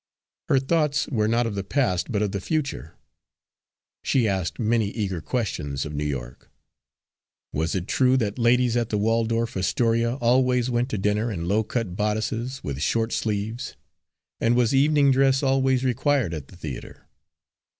Her thoughts were not of the past, but of the future. She asked many eager questions of New York. Was it true that ladies at the Waldorf Astoria always went to dinner in low cut bodices with short sleeves, and was evening dress always required at the theatre?